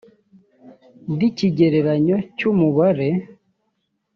d ikigereranyo cy umubare